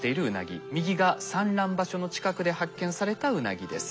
右が産卵場所の近くで発見されたウナギです。